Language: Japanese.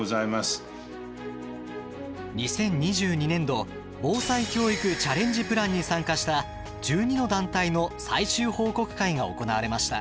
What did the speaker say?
２０２２年度「防災教育チャレンジプラン」に参加した１２の団体の最終報告会が行われました。